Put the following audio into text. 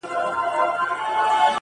چي یې وکتل تر شا زوی یې کرار ځي -